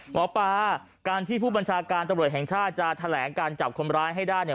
หมอปลาการที่ผู้บัญชาการตำรวจแห่งชาติจะแถลงการจับคนร้ายให้ได้เนี่ย